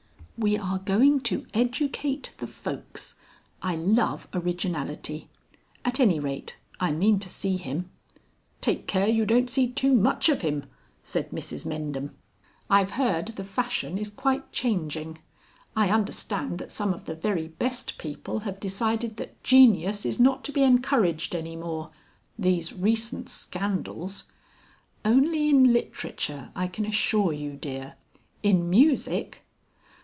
"We are going to educate the folks. I love originality. At any rate I mean to see him." "Take care you don't see too much of him," said Mrs Mendham. "I've heard the fashion is quite changing. I understand that some of the very best people have decided that genius is not to be encouraged any more. These recent scandals...." "Only in literature, I can assure you, dear. In music...."